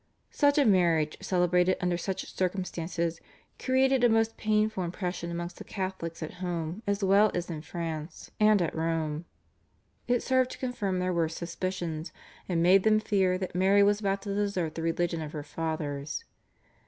Such a marriage celebrated under such circumstances created a most painful impression amongst the Catholics at home as well as in France and at Rome. It served to confirm their worst suspicions, and made them fear that Mary was about to desert the religion of her fathers.